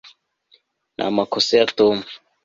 ni amakosa ya tom